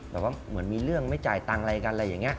เหมือนมีเรื่องไม่จ่ายตังค์อะไรกันอะไรอย่างนี้